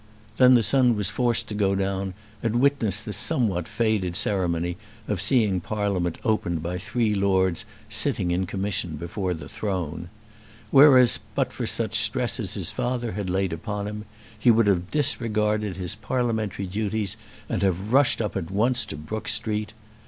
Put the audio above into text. Then the son was forced to go down and witness the somewhat faded ceremony of seeing Parliament opened by three Lords sitting in commission before the throne. Whereas but for such stress as his father had laid upon him, he would have disregarded his parliamentary duties and have rushed at once up to Brook Street.